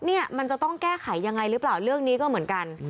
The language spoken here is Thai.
เนี่ยมันจะต้องแก้ไขยังไงหรือเปล่าเรื่องนี้ก็เหมือนกัน